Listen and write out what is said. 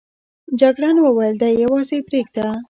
جګړن وویل دی یوازې پرېږده.